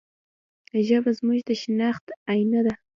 ژبه زموږ د شناخت آینه ده.